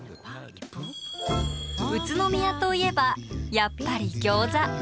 宇都宮といえばやっぱり餃子。